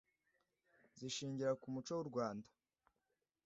zishingira ku muco w’u Rwanda